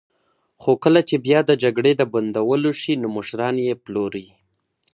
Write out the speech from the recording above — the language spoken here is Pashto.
خو کله چې بیا د جګړې د بندولو شي، نو مشران یې پلوري.